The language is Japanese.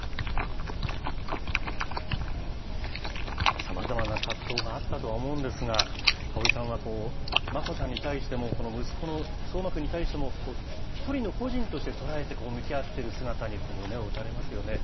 さまざまな葛藤があったとは思うんですが、香織さんは、マコさんに対しても、息子の奏真くんに対しても、一人の個人として捉えて、向き合っている姿に胸を打たれますよね。